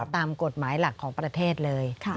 ตามกฎหมายหลักของประเทศเลย